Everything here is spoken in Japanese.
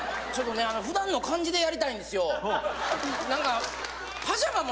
普段の感じでやりたいんですよ。